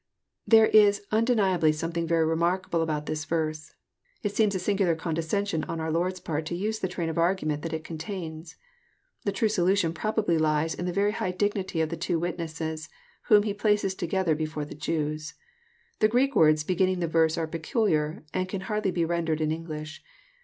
There is undeniably something very remarkable about this verse. It seems a singular condescension on our Lord's part to use the train of argument that it contains. The true solution probably lies in the very high dignity of the two witnesses, whom He places together before the Jews. The Greek words beginning the verse are peculiar, and can hardly be rendered in' English.